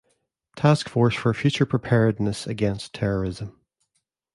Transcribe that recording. Task Force for Future Preparedness Against Terrorism.